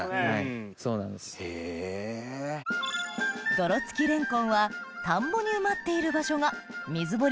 泥付きレンコンは田んぼに埋まっている場所が水掘り